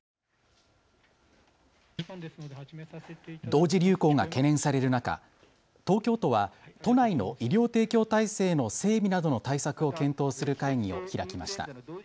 同時流行が懸念される中、東京都は都内の医療提供体制の整備などの対策を検討する会議を開きました。